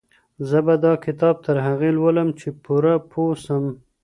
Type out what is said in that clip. زه به دا کتاب تر هغې لولم چي پوره پوه سم.